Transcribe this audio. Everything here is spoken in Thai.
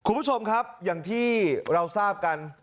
คุณผู้ชมครับอย่างที่เราทราบกัน